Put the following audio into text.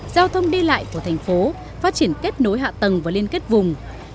giao thông đi lại của thành phố phát triển kết nối hạ tầng và liên kết vùng